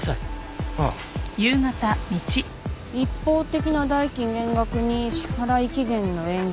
一方的な代金減額に支払い期限の延期。